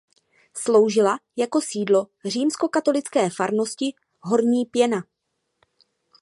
Sloužila jako sídlo římskokatolické farnosti Horní Pěna.